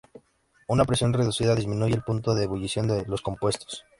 Una presión reducida disminuye el punto de ebullición de los compuestos.